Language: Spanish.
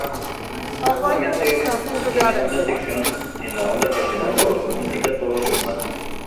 Actualmente, tiene una sección en la Onda Regional sobre música todos los martes.